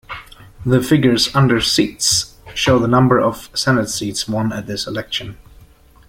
The figures under "Seats" show the number of Senate seats won at this election.